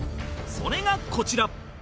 それがこちら